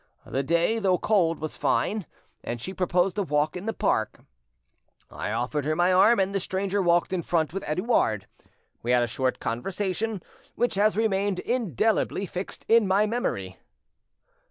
The day, though cold, was fine, and she proposed a walk in the park. I offered her my arm, and the stranger walked in front with Edouard. We had a short conversation, which has remained indelibly fixed in my memory.